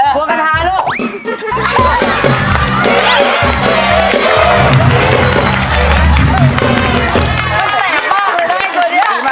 ของต้องเสนอครับ